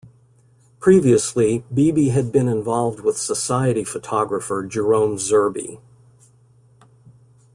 Previously, Beebe had been involved with society photographer Jerome Zerbe.